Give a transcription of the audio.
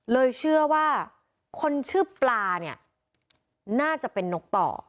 เลยเชื่อว่าคนชื่อปลาน่าจะเป็นนกต่อ